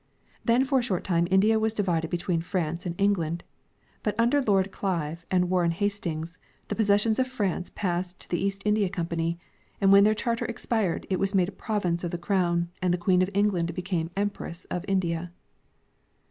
Then for a short time India was divided between France and England, but u»der Lord Clive and Warren Llastings the pos sessions of France passed to the East India company, and when their charter expired it was made a province of the crown and the Queen of England became Empress of India.